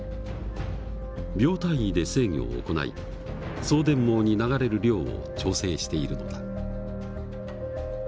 秒単位で制御を行い送電網に流れる量を調整しているのだ。